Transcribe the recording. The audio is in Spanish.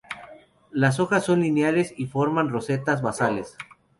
Las hojas son lineales y forman rosetas basales.